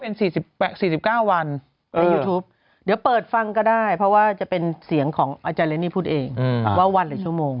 เป็น๔๙วันในยูทูปเดี๋ยวเปิดฟังก็ได้เพราะว่าจะเป็นเสียงของอาจารย์เรนนี่พูดเองว่าวันหรือชั่วโมง